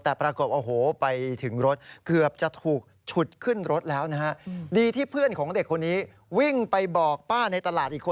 แต่ประกบอโหไปถึงรถ